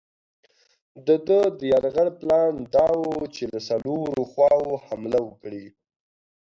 د ده د یرغل پلان دا وو چې له څلورو خواوو حمله وکړي.